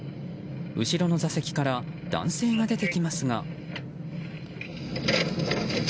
後ろの座席から男性が出てきますが。